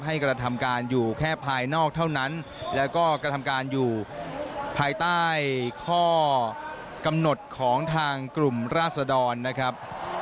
กระทำการอยู่แค่ภายนอกเท่านั้นแล้วก็กระทำการอยู่ภายใต้ข้อกำหนดของทางกลุ่มราศดรนะครับ